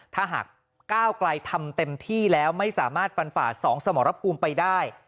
ถ้าหากก้าวไกลทำเต็มที่แล้วไม่สามารถฟันฝ่า๒สมรภูมิไปได้